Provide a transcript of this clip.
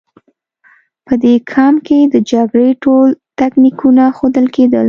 په دې کمپ کې د جګړې ټول تکتیکونه ښودل کېدل